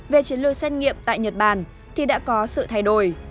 về chiến lược xét nghiệm tại nhật bản thì đã có sự thay đổi